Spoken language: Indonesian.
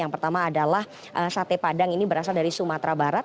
yang pertama adalah sate padang ini berasal dari sumatera barat